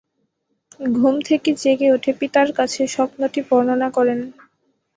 ঘুম থেকে জেগে ওঠে পিতার কাছে স্বপ্নটি বর্ণনা করেন।